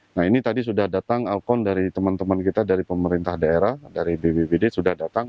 nah ini tadi sudah datang alkon dari teman teman kita dari pemerintah daerah dari bbbd sudah datang